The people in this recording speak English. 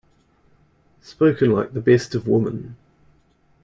Spoken like the best of women!